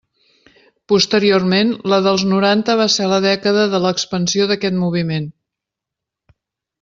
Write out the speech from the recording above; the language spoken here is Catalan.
Posteriorment, la dels noranta va ser la dècada de l'expansió d'aquest moviment.